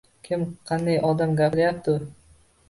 Kim va qanday odam gapiryapti?